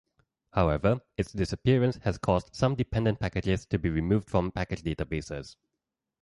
However, its disappearance has caused some dependent packages to be removed from package databases.